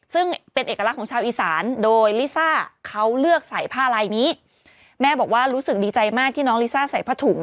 ซึ่งเป็นเอกลักษณ์ของชาวอีสานโดยลิซ่าเขาเลือกใส่ผ้าลายนี้แม่บอกว่ารู้สึกดีใจมากที่น้องลิซ่าใส่ผ้าถุง